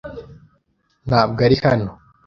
Ntabwo ari hano.